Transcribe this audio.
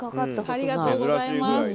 ありがとうございます。